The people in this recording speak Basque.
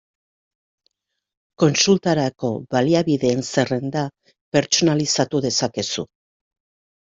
Kontsultarako baliabideen zerrenda pertsonalizatu dezakezu.